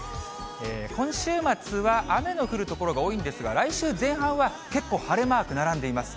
今週末は雨の降る所が多いんですが、来週前半は結構晴れマーク並んでいます。